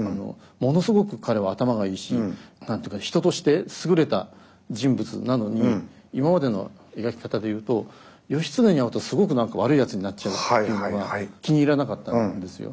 ものすごく彼は頭がいいし人として優れた人物なのに今までの描き方で言うと義経に会うとすごく何か悪いやつになっちゃうっていうのが気に入らなかったんですよ。